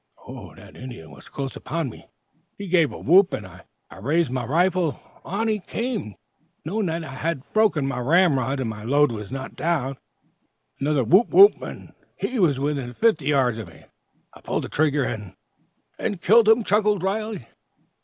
The Indian was close upon me: he gave a whoop, and I raised my rifle: on he came, knowing that I had broken my ramrod and my load not down: another whoop! whoop! and he was within fifty yards of me. I pulled trigger, and " "And killed him?" chuckled Riley.